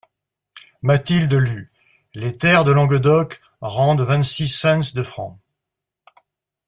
Mathilde lut : «Les terres de Languedoc rendent vingt.six cents fr.